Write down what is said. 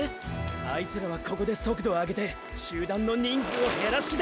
あいつらはここで速度を上げて集団の人数を減らす気だ。